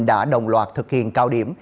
đã đồng loạt thực hiện cao điểm